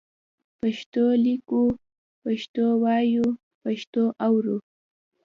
پښتو لیکو، پښتو وایو، پښتو اورو.